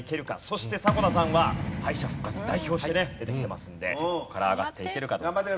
そして迫田さんは敗者復活代表してね出てきてますのでそこから上がっていけるかどうかです。